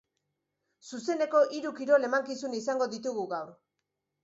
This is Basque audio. Zuzeneko hiru kirol emankizun izango ditugu gaur.